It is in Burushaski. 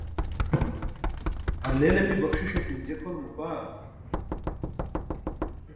aar leel api, baxṣiṣ etin, je kʰolum apaa